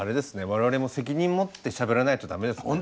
我々も責任持ってしゃべらないと駄目ですね。